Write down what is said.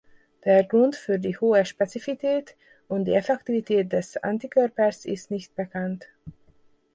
Der Grund für die hohe Spezifität und die Effektivität des Antikörpers ist nicht bekannt.